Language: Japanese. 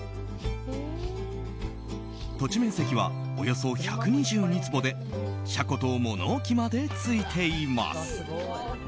土地面積はおよそ１２２坪で車庫と物置までついています。